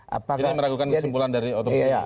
jadi yang meragukan kesimpulan dari otopsi